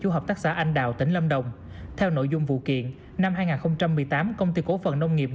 của hợp tác xã anh đào tỉnh lâm đồng theo nội dung vụ kiện năm hai nghìn một mươi tám công ty cổ phần nông nghiệp